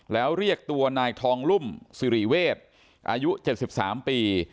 แล้วเรียกตัวนายทองลุ่มสิริเวศอายุ๗๓ปี